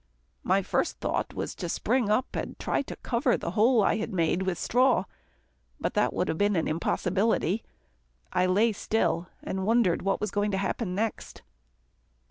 My first thought was to spring up and try to cover the hole I had made with straw, but that would have been an impossibility, and I lay still, and wondered what was going to happen next.